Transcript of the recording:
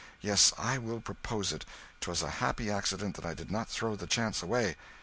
Yes, I will propose it; 'twas a happy accident that I did not throw the chance away."